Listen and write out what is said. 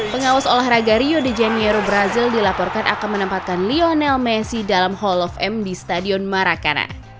pengawas olahraga rio de janeiro brazil dilaporkan akan menempatkan lionel messi dalam hall of m di stadion marakana